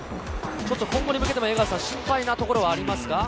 今後に向けても心配なところはありますか？